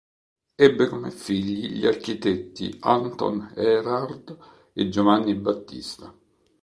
Ebbe come figli gli architetti Anton Erhard e Giovanni Battista.